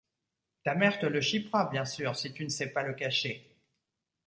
Ta mère te le chipera bien sûr, si tu ne sais pas le cacher...